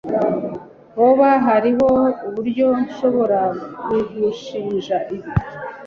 hoba hariho uburyo nshobora kugushinja ibi